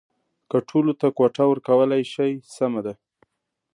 که ټولو ته کوټه ورکولای شي سمه ده.